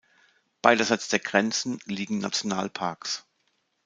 Beiderseits der Grenzen liegen Nationalparks.